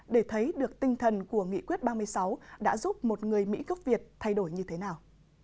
để thấy được tinh thần của nghị quyết ba mươi sáu đã giúp một người mỹ gốc việt thay đổi như thế nào